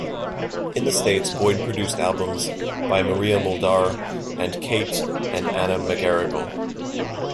In the States, Boyd produced albums by Maria Muldaur and Kate and Anna McGarrigle.